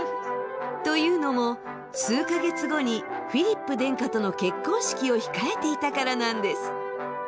というのも数か月後にフィリップ殿下との結婚式を控えていたからなんです。